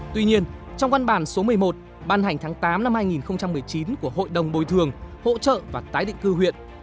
tuy nhiên trong văn bản số một mươi một ban hành tháng tám năm hai nghìn một mươi chín của hội đồng bồi thường hỗ trợ và tái định cư huyện